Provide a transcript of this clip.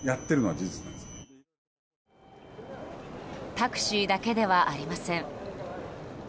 タクシーだけではありません。